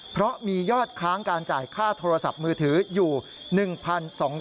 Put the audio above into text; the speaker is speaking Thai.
เพราะมียอดค้างการจ่ายค่าโทรศัพท์มือถืออยู่